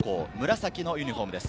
紫のユニフォームです。